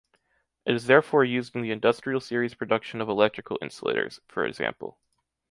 It is therefore used in the industrial series production of electrical insulators, for example.